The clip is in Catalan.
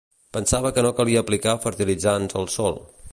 Pensava que no calia aplicar fertilitzants al sòl.